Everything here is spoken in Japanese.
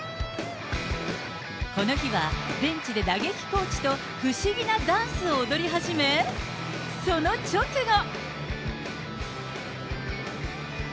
この日は、ベンチで打撃コーチと不思議なダンスを踊り始め、その直後。